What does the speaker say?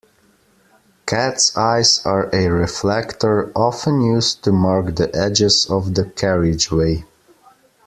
Cats eyes are a reflector often used to mark the edges of the carriageway